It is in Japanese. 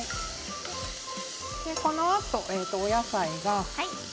このあと、お野菜です。